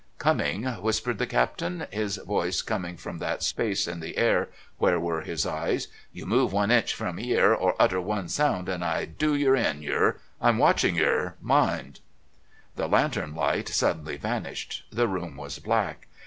"Coming!" whispered the Captain, his voice coming from that space in the air where were his eyes. "You move one inch from 'ere or utter one sound and I do yer in, yer I'm watchin' yer, mind!" The lantern light suddenly vanished. The room was black.